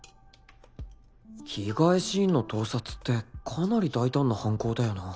着替えシーンの盗撮ってかなり大胆な犯行だよな